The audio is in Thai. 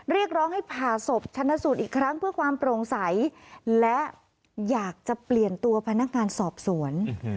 เรียกร้องให้ผ่าศพชนะสูตรอีกครั้งเพื่อความโปร่งใสและอยากจะเปลี่ยนตัวพนักงานสอบสวน